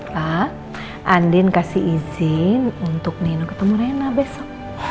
pak andin kasih izin untuk neno ketemu rena besok